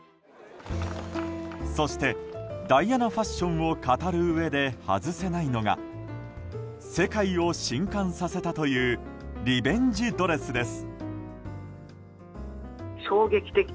そして、ダイアナファッションを語るうえで外せないのが世界を震撼させたというリベンジドレスです。